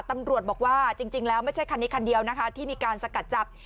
ตำรวจบอกว่าจริงแล้วไม่ใช่คันนี้คันเดียวนะคะที่มีการสกัดจับ